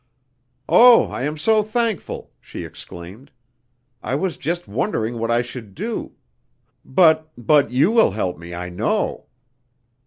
"Oh, I am so thankful!" she exclaimed. "I was just wondering what I should do. But but you will help me, I know."